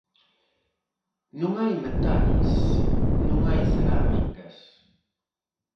Non hai metais, non hai cerámicas.